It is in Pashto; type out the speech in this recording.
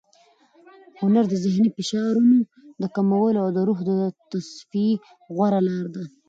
هنر د ذهني فشارونو د کمولو او د روح د تصفیې غوره لار ده.